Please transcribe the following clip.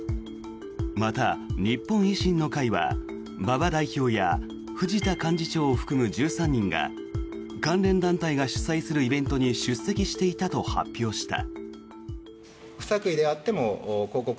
また、日本維新の会は馬場代表や藤田幹事長を含む１３人が関連団体が主催するイベントに出席していたと発表した。